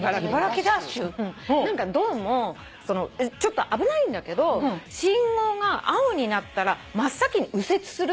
ちょっと危ないんだけど信号が青になったら真っ先に右折する。